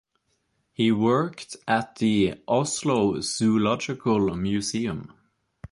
He worked at the Oslo Zoological Museum.